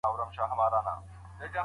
زما په ياد دي چي محفل کي به دي ماته کتل